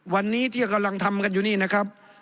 วันนี้ที่กำลังทำกันอยู่นี่นะครับ